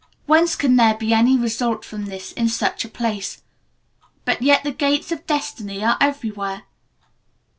Whence can there be any result from this in such a place? But yet the gates of destiny are everywhere."